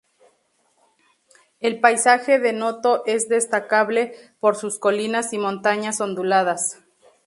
El paisaje de Noto es destacable por sus colinas y montañas onduladas.